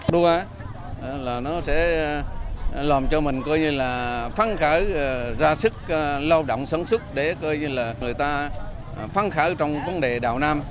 đua sẽ làm cho mình phán khởi ra sức lao động sản xuất để người ta phán khởi trong vấn đề đảo nam